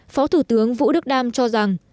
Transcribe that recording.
phó thủ tướng vũ đức đam cho rằng